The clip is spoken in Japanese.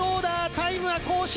タイムは更新。